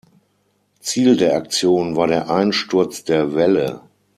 Ziel der Aktion war der Einsturz der Wälle.